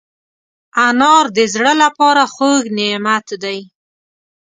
انار د زړه له پاره خوږ نعمت دی.